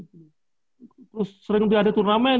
terus sering ada turnamen